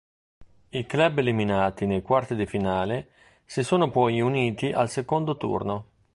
I club eliminati nei quarti di finale si sono poi uniti al secondo turno.